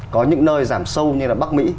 có những nơi giảm sâu như là bắc mỹ